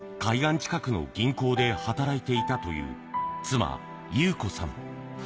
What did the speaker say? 当時、海岸近くの銀行で働いていたという妻・祐子さん。